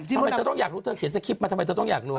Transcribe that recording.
ทำไมเธอต้องอยากรู้เธอเขียนสคริปต์มาทำไมเธอต้องอยากรู้